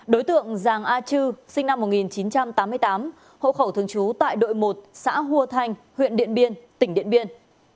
đối tượng giàng a chư sinh năm một nghìn chín trăm tám mươi tám hộ khẩu thường trú tại đội một xã hua thanh huyện điện biên tỉnh điện biên